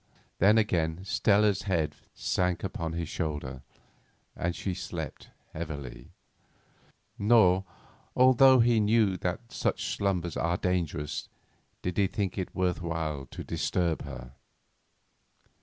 Then again Stella's head sank upon his shoulder, and she slept heavily; nor, although he knew that such slumbers are dangerous, did he think it worth while to disturb her.